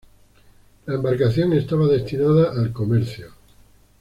La embarcación estaba destinada al comercio.